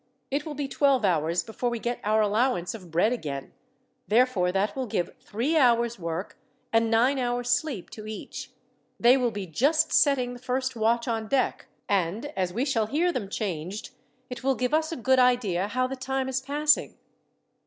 It will be twelve hours before we get our allowance of bread again, therefore that will give three hours' work, and nine hours' sleep to each. They will be just setting the first watch on deck, and, as we shall hear them changed, it will give us a good idea how the time is passing."